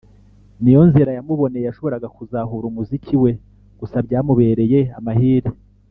ni yo nzira yamuboneye yashoboraga kuzahura umuziki we gusa byamubereye amahire